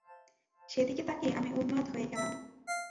সেদিকে তাকিয়ে আমি উন্মাদ হয়ে গেলাম।